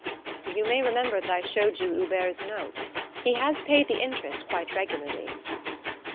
"You may remember that I showed you Hubert's note. He has paid the interest quite regularly."